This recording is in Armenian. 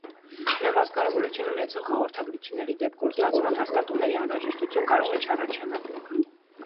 Նվազ կարևորություն ունեցող հաղորդագրությունների դեպքում ստացման հաստատումների անհրաժեշտություն կարող է չառաջանալ։